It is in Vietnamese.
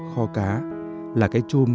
kho cá là cái chôm